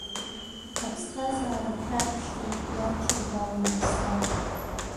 Аԥсҭазаара ахьарԥшӡо иадҽырбалан аԥсра…